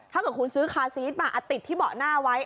ถ้าเกิดคุณซื้อคาซีสมาติดที่เบาะหน้าไว้